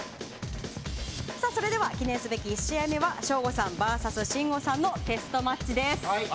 それでは記念すべき１試合目は省吾さんＶＳ信五さんのテストマッチです。